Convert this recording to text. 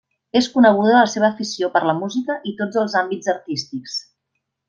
És coneguda la seva afició per la música i tots els àmbits artístics.